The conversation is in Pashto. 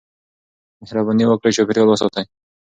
مهرباني وکړئ چاپېريال وساتئ.